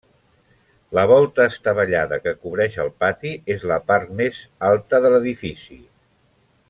La volta estavellada que cobreix el pati és la part més alta de l'edifici.